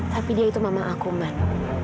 tapi dia itu mama aku man